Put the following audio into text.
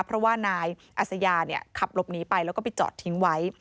เพราะว่านายอัศยาขับหลบหนีไปแล้วก็ไปจอดทิ้งไว้